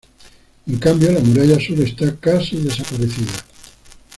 En cambio la muralla sur está casi desaparecida.